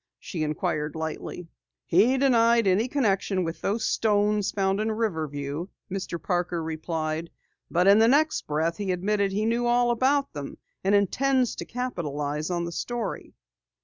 she inquired lightly. "He denied any connection with those stones found in Riverview," Mr. Parker replied. "But in the next breath he admitted he knew all about them and intends to capitalize on the story."